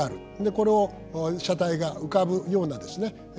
これを車体が浮かぶようなですね